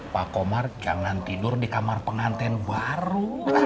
pak komar jangan tidur di kamar penganten baru